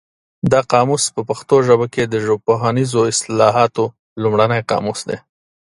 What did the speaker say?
دا قاموس په پښتو ژبه کې د ژبپوهنیزو اصطلاحاتو لومړنی قاموس دی.